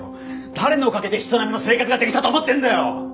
誰のおかげで人並みの生活ができたと思ってんだよ！